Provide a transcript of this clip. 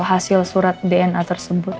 hasil surat dna tersebut